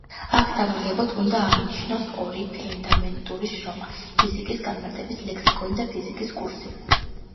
აქ საგანგებოდ უნდა აღინიშნოს ორი ფუნდამენტური შრომა: ფიზიკის განმარტებით ლექსიკონი და ფიზიკის კურსი.